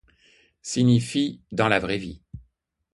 signifie «dans la vraie vie».